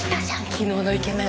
昨日のイケメン！